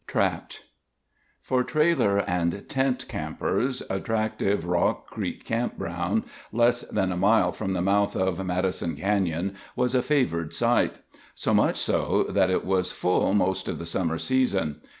TRAPPED For trailer and tent campers, attractive Rock Creek Campground, less than a mile from the mouth of Madison Canyon, was a favored site. So much so that it was full most of the summer season.